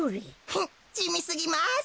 フッじみすぎます。